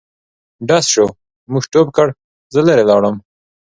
ډز شو موږ ټوپ کړ زه لیري لاړم.